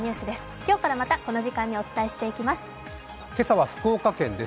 今日からまたこの時間にお伝えしていきます。